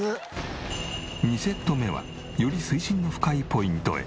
２セット目はより水深の深いポイントへ。